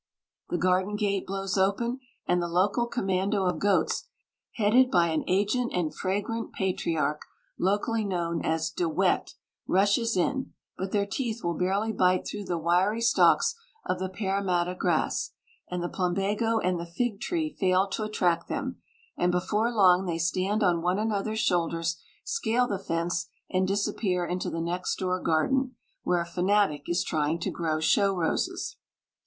The garden gate blows open, and the local commando of goats, headed by an aged and fragrant patriarch, locally known as De Wet, rushes in; but their teeth will barely bite through the wiry stalks of the Parramatta grass, and the plumbago and the figtree fail to attract them, and before long they stand on one another's shoulders, scale the fence, and disappear into the next door garden, where a fanatic is trying to grow show roses.